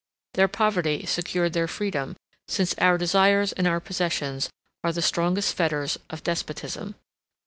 Their poverty secured their freedom, since our desires and our possessions are the strongest fetters of despotism.